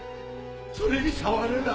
それに触るな！